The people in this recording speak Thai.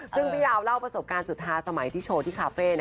ซึ่งพี่ยาวเล่าประสบการณ์สุดท้ายสมัยที่โชว์ที่คาเฟ่